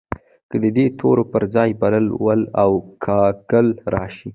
که د دې تورو پر ځای بلبل، وېل او کاکل راشي.